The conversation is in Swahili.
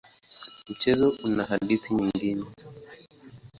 Mchezo una hadithi nyingine.